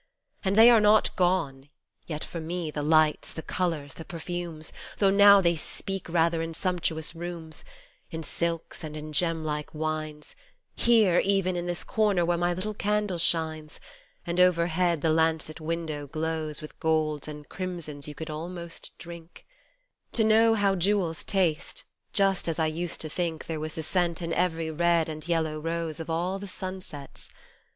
And they are not gone, yet, for me, the lights, the colours, the perfumes, Though now they speak rather in sumptuous rooms, In silks and in gem like wines ; Here, even, in this corner where my little candle shines And overhead the lancet window glows With golds and crimsons you could almost drink 43 To know how jewels taste, just as I used to think There was the scent in every red and yellow rose Of all the sunsets.